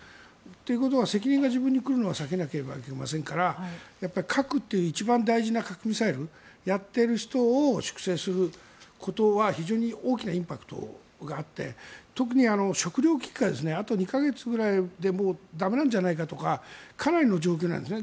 ということは責任が自分に来るのは避けなければいけませんからやっぱり核という、一番大事な核ミサイルをやっている人を粛清することは非常に大きなインパクトがあって特に食糧危機があと２か月ぐらいでもう駄目なんじゃないかとかかなりの状況なんですね。